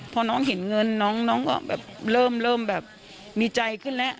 พอน้องเห็นเงินน้องก็แบบเริ่มแบบมีใจขึ้นแล้ว